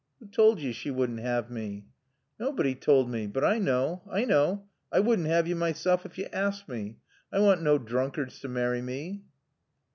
"Who toald yo she wouldn't 'ave mae?" "Naybody toald mae. But I knaw. I knaw. I wouldn't 'ave yo myself ef yo aassked mae. I want naw droonkards to marry mae."